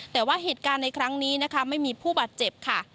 แต่ว่าเหตุการณ์ในครั้งนี้นะคะไม่มีผู้บาดเจ็บค่ะ